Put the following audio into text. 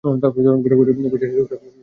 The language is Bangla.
ঘরে পয়সা আছে লোকটার, মেয়ে সুখে থাকবে।